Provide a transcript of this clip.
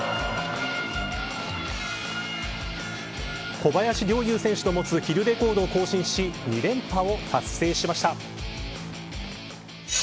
小林陵侑選手の持つヒルレコードを更新し２連覇を達成しました。